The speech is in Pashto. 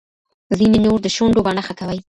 ځینې نور د شونډو بڼه ښه کوي.